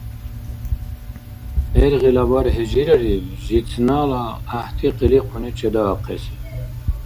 ГӀергъила бархӀи жирариб, житнала гӀяхӀти къиликъуни чедаахъес.